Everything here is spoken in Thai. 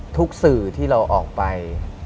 สื่อที่เราออกไป